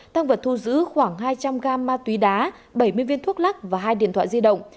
thăng vật thu giữ khoảng hai trăm linh gam ma túy đá bảy mươi viên thuốc lắc và hai điện thoại di động